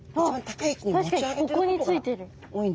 確かにここについてる。